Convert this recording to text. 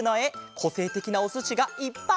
こせいてきなおすしがいっぱい！